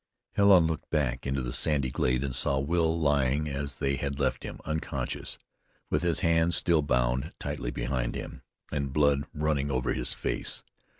Helen looked back into the sandy glade and saw Will lying as they had left him, unconscious, with his hands still bound tightly behind him, and blood running over his face.